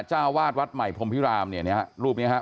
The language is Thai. จ้าวาดวัดใหม่พรมพิรามเนี่ยนะครับรูปเนี่ยครับ